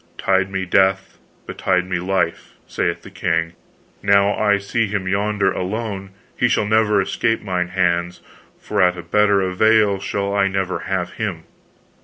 Tide me death, betide me life, saith the king, now I see him yonder alone, he shall never escape mine hands, for at a better avail shall I never have him.